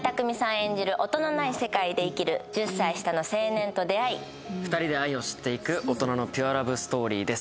演じる音のない世界で生きる１０歳下の青年と出会い２人で愛を知っていく大人のピュアラブストーリーです